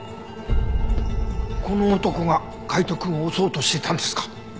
この男が海斗くんを襲おうとしてたんですか？